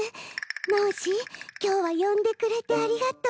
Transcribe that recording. ノージーきょうはよんでくれてありがとう。